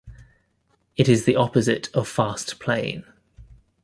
It is the opposite of fast playing.